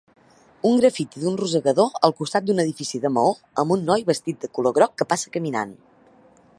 Un graffiti d'un rosegador al costat d'un edifici de maó amb un noi vestit de color groc que passa caminant.